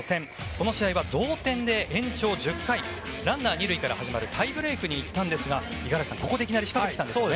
この試合は同点で延長１０回ランナー２塁から始まるタイブレークで五十嵐さん、ここでいきなり仕掛けてきましたね。